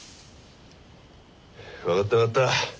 分かった分かった。